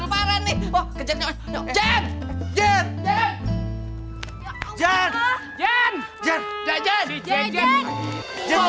bikin lo tuh susah jen